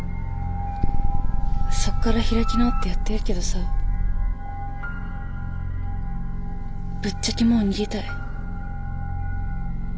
そっから開き直ってやってるけどさぶっちゃけもう逃げたい。